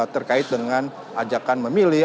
terkait dengan ajakan memilih